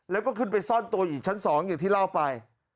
แล้วก็ขึ้นไปซ่อนตัวอยู่ชั้น๒อย่างที่เล่าไป